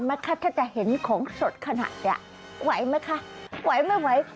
ถ้าจะเห็นของสดขนาดนี้ไหวไหมคะไหวไม่ไหว